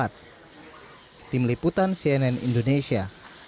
tim liputan cnn indonesia